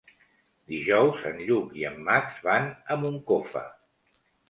Dijous en Lluc i en Max van a Moncofa.